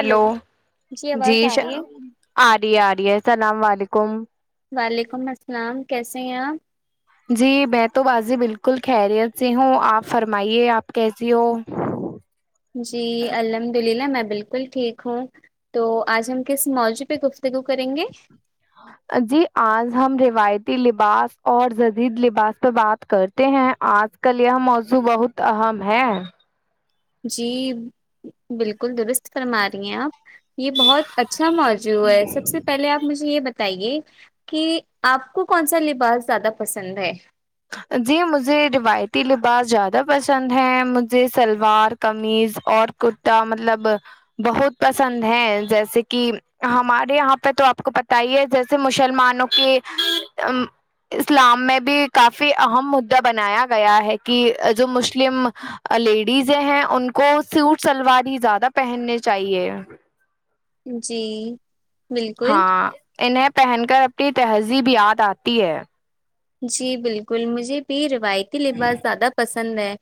hello جی آواز آ رہی ہے [unintelligible] آ رہی آ رہی السلام و علیکم وعلیکم السلام کیسے ہیں آپ جی میں تو باجی بالکل خیریت سے ہوں آپ فرمائیے آپ کیسی ہو جی الحمد للہ میں بالکل ٹھیک ہوں تو آج ہم کس موضوع پہ گفتگو کریں گے جی آج ہم روایتی لباس اور جدید لباس پہ بات کرتے ہیں آج کل یہ موضوع بہت اہم ہے جی بالکل درست فرما رہی ہیں آپ یہ بہت اچھا موصوع ہے سب سے پہلے آپ مجھے یہ بتایں بتائیے کہ آپ کو کون سا لباس زیادہ پسند ہے جی مجھے روایتی لباس زیادہ پسند ہیں مجھے شلوار قمیض اور کرتا مطلب بہت پسند ہے جیسے کہ ہمارے یہاں پہ تو آپ کو پت ہی ہے جیسے مسلمانوں کے اسلام میں بھی کافی اہم مدا بنایا گیا ہے کہ جو مسلم لیڈیزیں ہیں ان کو سوٹ سلوار ہی زیادہ پہننے چاہیے جی بالکل ہاں انہیں پہن کر اپنی تہذیب یاد آتی ہے جی بالکل مجھے بھی روایتی لباس زیادہ پسند ند ہے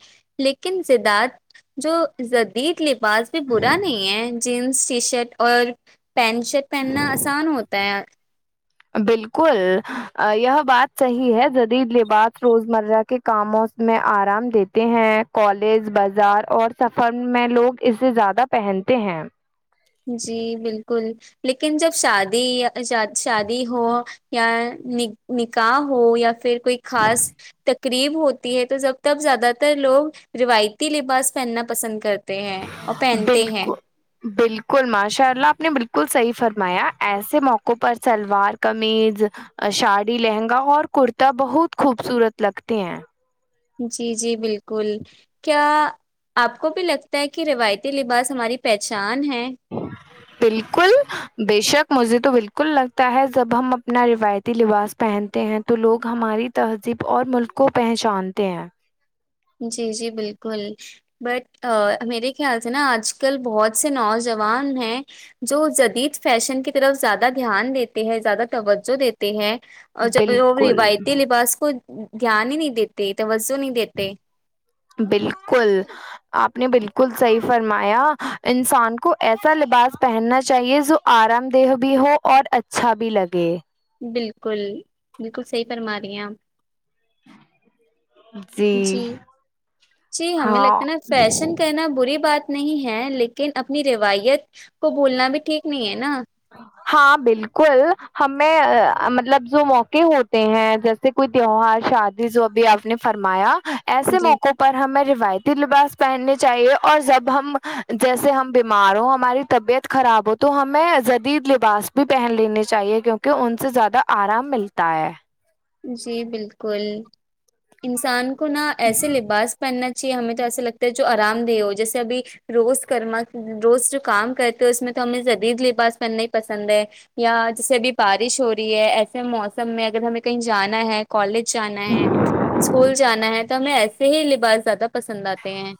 لیکن زدت جو جدید بعاز بھی برا نہیں ہے جینس ٹی شرٹ اور پینٹ شرٹ پہننا آسان ہوتا ہے بالکل یہ بات صحیح ہے جدید لباس روز مرہ کے کاموں میں آرام دیتے ہیں کالج بازار اور سفر میں لوگ اس سے زیادہ پہنتے ہیں جی بالکل لیکن جب شادی شادی ہو یا ن نکاح ہو یا پھر کوئی خاص تقریب ہوتی ہے تو جب تب زیادہ تر لوگ روایتی لباس پہننا پسند کرتے ہے اور پہنتے ہیں بالکل بالکل ماشاء اللہ آپ نے بالکل صحیح فرمایا ایسے موقعوں پر شلوار قمیض ساڑی لہنگا اور کرتا بہت خوبصورت لگتے ہیں جی جی بالکل کیا آپ کو بھی لگتا ہے کہ روایتی لباس ہماری پہچان ہے بالکل بے شک مجھے تو بالکل لگتا ہے جب ہم اپنا روایتتی لباس پہنتے ہیں تو لوگ ہماری تہذیب اور ملک کو پہچانتے ہیں جی جی بالکل بٹ میرے خیال سے نا آج کل بہت سے نوجوان ہیں جو جدید فیشن کی طرف زیادہ دھیان دیتے ہیں زیادہ توجہ دیتے ہیں اور وہ بالکل روایتی لباس کو دھیان ہی نہیں دیتے توجہ نہیں دیتے بالکل آپ نے بالکل صحیح فرمایا انسان کو ایسا لباس پہننا چاہیے جو آرام دہ بھی ہو اور اچھا بھی لگے بالکل بالکل صحی فرما رہی ہیں آپ جی جی ہمیں ہاں لگتا ہے نا فیشن کہنا بری بات نہیں ہے لیکن اپنی روایت کو بھولنا بھی ٹھیک نہیں ہے نا ہاں بالکل ہمیں مطلب جو موقع ہوتے ہیں جیسے سے کوئی تیوار شادی جو ابھی آپ نے فرمایا ایسے جی موقعوں پر پر ہمیں روایتی لباس پہننے چاہیے اور جب ہم جیسے ہم بیمار ہ ہماری طبیعت خراب ہو تو ہمیں دید لباس بھی پہن لینی چاہیے کیونکہ ان سے زیادہ آرام ملتا ہے جی بالکل انسان کو نہا ایسے لباس پہننا اچھ ہمیں تو ایسا لگتا ہے جو آرام دہ ہو جیے ابھی روز کرما روز جو کام کرتے اس میں تو ہمیں جدید لباس پہننا ہی پسند ہے یا جیسے ا بھی بارش ہو رہی ہے ایسے موسم میں اگر ہمیں کہیں جانا ہے کالج جانا ہے اسکول جانا ہے تو تو ہمیں ایسے ہی لباس زیادہ پسند آتے ہیں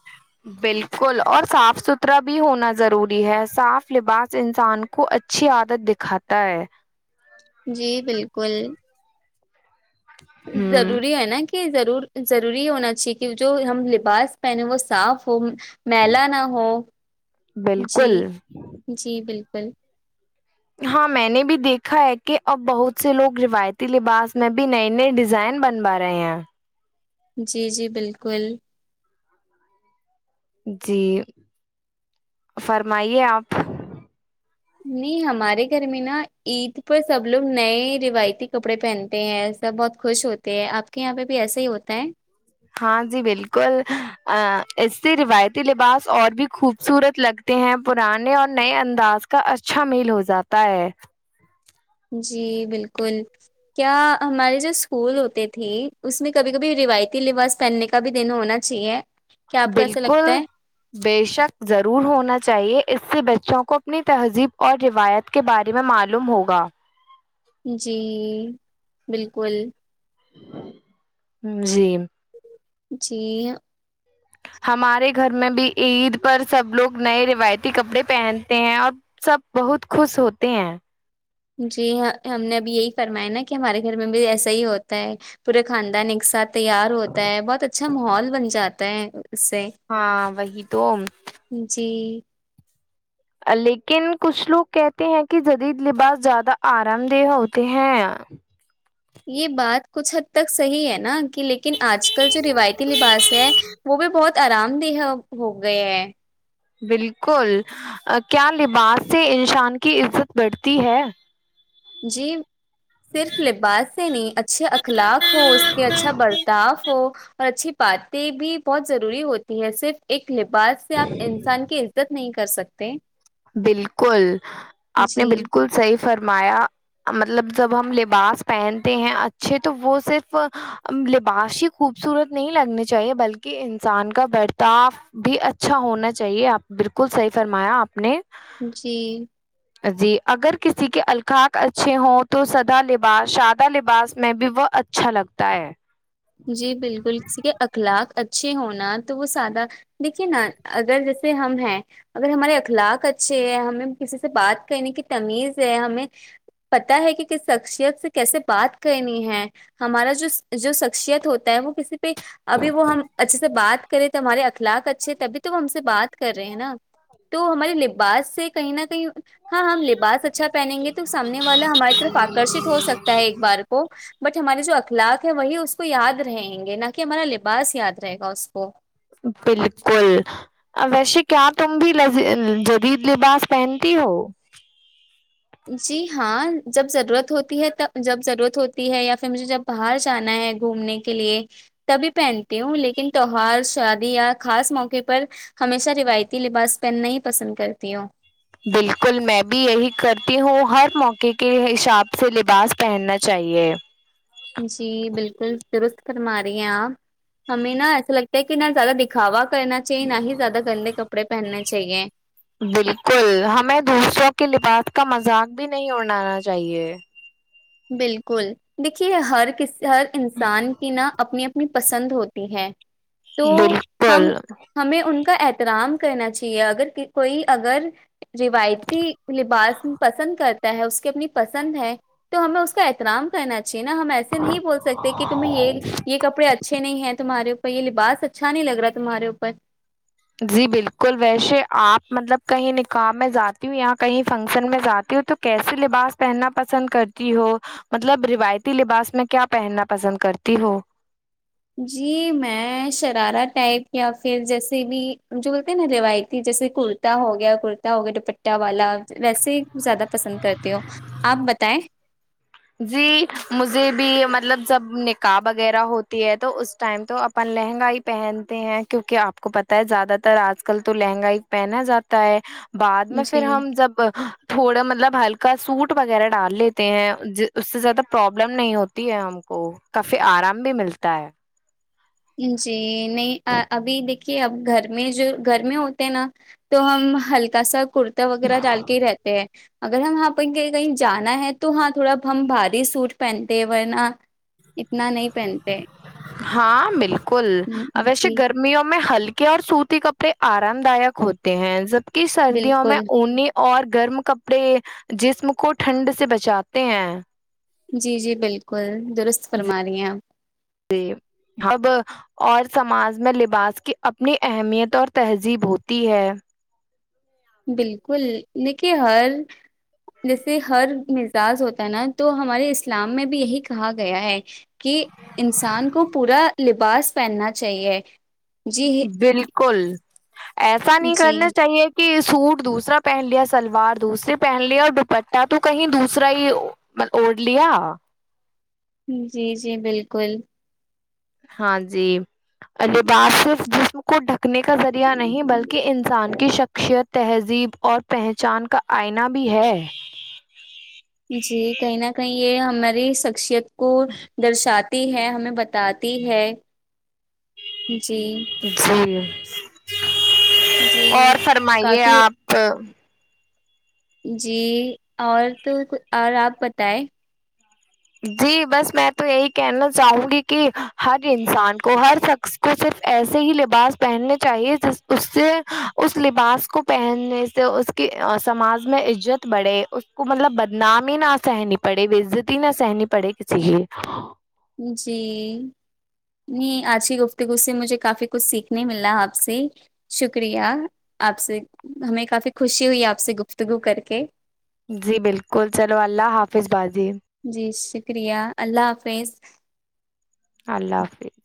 بالکل اور صاف ستھرا بھی ہونا ضروری ہے صاف لباس انسان کو اچھی عادت دکھاتا ہے جی بالکل ہ ضروری ہے نا کہ ضرور ضروری ہونا چاہیے کہ جو ہم لباس پہنے وہ صاف ہو میلا نہ ہو جی بالکل جی بالکل ہاں میں نے بھی دیکھا ہے کہ اب بہت سے لوگ روایتی لباس میں بھی نئے نئے ڈیزائن بن بارے ہیں جی جی بالکل جی فرمائیے آپ نہیں ہمارے گھر میں نا عید پر سب لوگ نئے روایتی کپڑے پہنتے ہیں سب بہت خوش ہوتے ہیں آپ کے یہاں پہ بھی ایسا ہی ہوتا ہے ہاں جی بالکل اس سے روایتی لباس اور بھی خوبصورت لگ تہ ہیں پرانے اور نئے انداز کا اچھا میل ہو جاتا ہے جی بالکل کیا ہمارے جو اسکول ہوتے تھی اس میں کبھی کبھی رویتی لباس پہننے کے کاب دینوں ہونا چاہیے کیا آپ کو ایسا بالکل لگتا ہے بے شک ضرور ہونا چاہیے اس سے بچوں کو اپنی تہذیب اور روایت کے بارے میں معلوم ہوگا جی بالکل جی جی ہمارے گھر میں بھی عید پر سب لوگ نئے روایتی کپڑے پہنتے ہیں اور سب بہت خوش ہوتے ہیں جی ہ ہم نے ابھی یہی فرمایا نا کہ ہمارے گھر میں بھی ایسا ہی ہوتا ہے پورے خاندان ایک ساتھ تیار ہوتا ہے بہت اچھا ماحول بن جاتا ہے اس سے ہاں وہی تو جی لیکن کچھ لوگ کہتے ہیں کہ جدید لباس زیادہ آرام دہ ہوتے ہیں یہ بات کچھ حد تک صحیح ہے نا کہ لیکن آج کل جو روایتی لباس ہے وہ بھی بہت آرام دے ہہ ہو گئے ہے بالکل کیا لباس سے انشان کی عزت بڑھتی ہے جی صرف لباس سے نہیں اچھے اخلاق ہو اس کے اچھا بر تاف ہو اور اچھی باتیں بھی بہت ضروری ہوتی ہے صرف ایک لباس سے آپ انسان کی عزت نہیں کر سکتے بالکل آپ نے جی بالکل صحیح فرمایا مطلب جب ہم لباس پہنتے ہیں اچھے تو وہ صرف لباشی خوبصورت نہیں لگنی چاہیے بلکہ انسان کا برتاف بھی اچھا ہونا چاہیے آپ بالکل صحیح فرمایا آپ نے جی جی اگر کسی کے القاق اچھے ہوں تو سدا لباس شادہ لباس میں بھی وہ اچھا لگتا ہے جی بالکل کسی کے اخلاق اچھے ہونا تو وہ سادہ دیکھیے نا اگر جیسے ہم ہیں اگر ہمارے اخلاق اچھے ہیں ہمیں کسی سے بات کرنے کی تمیز ہے ہمیں پتا ہے کہ شخصیت سے کیسے بات کرنی ہے ہمارا جسجوجو شیت ہوتا ہے وہ کسی پہ ابھی وہ ہم اچھے سے بات کرے تو ہمارے اخلاق اچھے تبھی تو ہم سے بات کر رہے ہیں نا تو ہمارے لباس سے کہیں نہ کہیں ہاں ہم لباس اچھا پہنیں گے تو سامنے والا ہماری طرف آکی آکرشت ہو سکتا ہے ایک بار کو بٹ ہمارے جو اخلاق ہے وہی اس اس کو یاد رہیں گے نہ کہ ہمارا لباس یاد رہے گا اس کو بالکل ا ویسے کیا تم بھی جدید لباس پہنتی ہو جی ہاں جب ضرورت ہوتی ہے جب ضرورت ہوتی ہے یا پھر مجھے جب باہر جانا ہے گھومنے کے لیے تب پہنتی ہوں لیکن تهوار شادی یا خاص موقع پر ہمیشہ روایتی لباس پہنا ہی پسند کرتی ہوں بالکل میں بھی یہی کرتی ہوں ہر موقعے کے حساب سے لباس پہننا چاہیے جی بالکل درست فرما رہی ہیں آپ ہمیں نا ایسا لگتا ہے کہ نہ زیادہ دکھاوا کرنا چاہیے نہ ہی زیادہ گندے کپڑے پہننے چاہیے بالکل ہمیں دوسروں کے لباس کا مذاق بھی نہیں اڑانا چاہیے بالکل دیکھیے ہر کس ہر انسان کی نہا اپنی اپنی پسند ہوتی ہیں بالکل ہمیں ان کا احترام کرنا چاہیے اگر کوئی اگر روایتی لباس پسند کرتا ہے اس کی اپنی پسند ہے تو ہمیں اس کا احترام کہنا چاہیے نا ہم ایسے نہیں بول سکتے کہ تمہیں یہ کپڑے اچھے نہیں ہیں تمہارے تو یہ لباس اچھا نہیں لگ رہا تمہارے اوپر جی بالکل ویشے آپ مطلب کہیں نکاح میں جاتی ہوں یا کہیں فنکشن میں جاتی ہوں تو کیسے لباس پہننا پسند کرتی ہو مطلب روایتی لباس میں کیا پہنا پسند کرتی ہو جی میں شرارہ ٹائپ یا پھر جیسے بھی جو بولتے ہیں نا روایتی جیسے کر کتا ہو گیا کرتا ہو گیا دوپٹہ والا ویسے ہی زیادہ پسند کرتی ہوں آپ بتائیں جی مجھے بھی مطلب جب نکاح وغیرہ ہوتی ہے تو اس ٹائم تو اب اپ لہنگائی پہنتے ہیں کیوںکہ آپ کو پتہ ہے زیادہ تر آج کل تو لہنگائی پہنا جاتا ہے بعد میں جی پھر ہم جب تھوڑا مطلب ہلکا سوٹ وغیرہ ڈال لیتے ہیں اس سے زیادہ پرابلم نہیں ہوتی ہے ہم کو کافی آرام بھی ملتا ہے جی نہیں ابھی دیکھیے اب گھر میں جو گھر میں ہوتے ہیں نا تو ہم ہلکا سا کرتا وغیرہ ڈال کے ہی رہتے ہیں اگر ہم وہاں پر کہیں کہیں جانا ہے تو ہاں تھوڑا ہم بھاری سوٹ پہنتے ہیں ورنہ اتنا نہیں پہنتے ہاں بالکل اب ہم، ایسے جی گر میوں میں ہلکے اور سوتی کپڑے آرام دایک ہوتے ہیں جب کی سردیوں میں بالکل انی اور گرم کپڑے جسم کو ٹھنڈ سے بچاتے ہیں جی جی بالکل درست فرما رہی ہیں آپ [unintelligible] اور سماج میں لباس کی اپنی اہمیت اور تہذیب ہوتی ہے بالکل لکی حل جیسے ہر مزاج ہوتا ہے نا تو ہمارے اسلام میں بھی یہی کہا گیا ہے کہ انسان کو پورا لباس پہننا چاہیے جی بالکل ایسا نہیں جی کرنا چاہیے کہ سوٹ دوسرا پہن لیا سلوار دوسری پہن لیا اور دوپٹہ تو کہیں دوسرا ہی مط اوڈ لیا جی جی بالکل ہاں جی الباس صرف جس کو ڈھکنے کا ذریعہ نہیں بلکہ انسان کی شخشیت تہذیب اور پہچان کا آئنا بھی ہے جی کہیں نہ کہیں یہ ہماری شخشیت کو درشا تی ہے ہمیں بتاتی ہے جی جی جی اور فرمائیے کافی آپ جی اور تو اور آپ بتائیں جی بس میں تو یہی کہنا چاہوں گی کہ ہر انسان کو ہر شخص کو صرف ایسے ہی لباس پہننے چاہیے جس اس سے اس لباس کو پہننے سے کہ سماج میں عزت بڑے اس کو مطلب بدنام ہی نہ سہنی پڑے وہ عزت ہی نہ سہنی پڑے کسی کی جی ہی آج کی گفتگو سے مجھے کافی کچھ سیکھنے ملا آپ سے شکریہ آپ سے ہمیں کافی خوشی ہوئی آپ سے گفتگو کر کے جی بالکل چلو اللہ حافظ باجی جی شکریہ اللہ حافظ اللہ حافظ